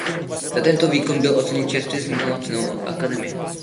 Za tento výkon byl oceněn čerstvě vzniklou Cenou Akademie.